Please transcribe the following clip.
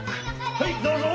はいどうぞ！